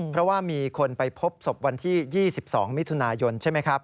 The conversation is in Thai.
เพราะว่ามีคนไปพบศพวันที่๒๒มิถุนายนใช่ไหมครับ